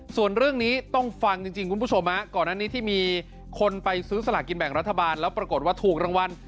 ส่วนเรื่องนี้ต้องฟังจริงคุณผู้ชมก่อนอันนี้ที่มีคนไปซื้อสลากกินแบ่งรัฐบาลแล้วปรากฏว่าถูกรางวัล